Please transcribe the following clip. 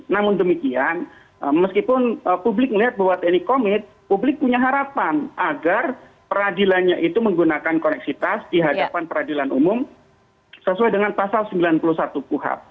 namun demikian meskipun publik melihat bahwa tni komit publik punya harapan agar peradilannya itu menggunakan koneksitas di hadapan peradilan umum sesuai dengan pasal sembilan puluh satu kuhap